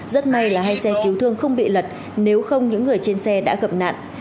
rất may là hai xe cứu thương không bị lật nếu không những người trên xe đã gặp nạn